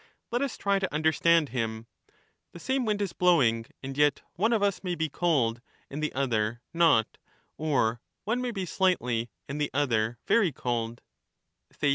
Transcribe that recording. Let us try to understand him : the same wind is blowing, and yet one of us may be cold and the other not, or one may be slightly and the other very cold